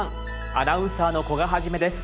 アナウンサーの古賀一です。